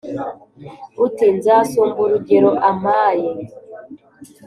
uti : nzasumba urugero ampaye